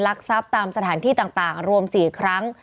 ทรัพย์ตามสถานที่ต่างรวม๔ครั้ง